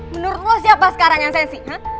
menurut lo siapa sekarang yang sensi